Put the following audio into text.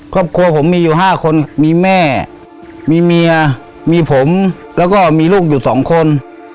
ครอบครัวผมมีอยู่๕คนมีแม่มีเมียมีผมแล้วก็มีลูกอยู่สองคน